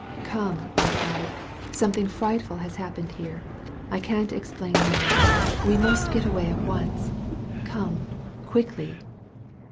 "Come/' I cried. "Something frightful has hap pened here. I can't explain now. We must get away at once. Come, quickly."